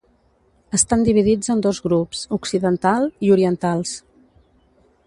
Estan dividits en dos grups, occidental i orientals.